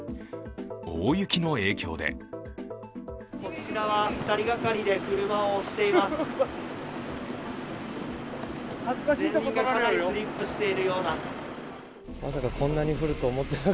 大雪の影響でこちらは２人がかりで車を押しています。